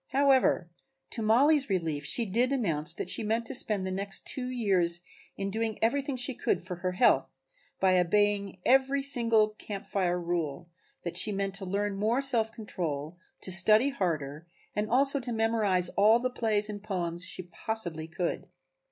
However, to Mollie's relief, she did announce that she meant to spend the next two years in doing everything she could for her health by obeying every single Camp Fire rule, that she meant to learn more self control, to study harder and also to memorize all the plays and poems that she possibly could.